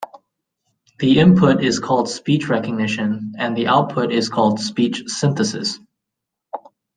The input is called speech recognition and the output is called speech synthesis.